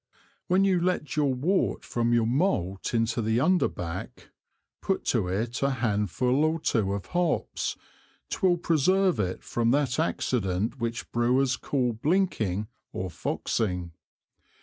When you let your Wort from your Malt into the Underback, put to it a Handful or two of Hops, 'twill preserve it from that accident which Brewers call Blinking or Foxing.